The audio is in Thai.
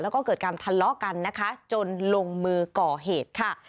แล้วก็เกิดการทะเลาะกันนะคะจนลงมือก่อเหตุค่ะ